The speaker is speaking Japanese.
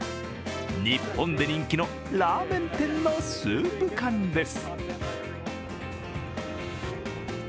日本で人気のラーメン店のスープ缶です。